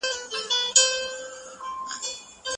استاد ته پکار ده چي په موضوع کي پوره مطالعه ولري.